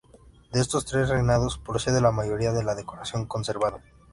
De estos tres reinados procede la mayoría de la decoración conservada.